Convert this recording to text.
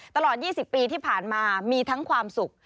ตลอด๒๐ปีที่ผ่านมามีทั้งความสุข